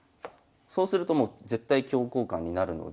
そうするともう絶対香交換になるので。